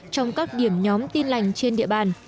trong các điểm nhóm tin lành trên địa bàn